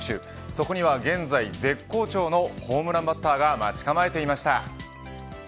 そこには、現在絶好調のホームランバッターが待ち構えていました。